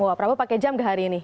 wah prabowo pakai jam ke hari ini